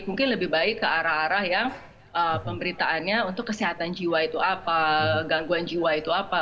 mungkin lebih baik ke arah arah yang pemberitaannya untuk kesehatan jiwa itu apa gangguan jiwa itu apa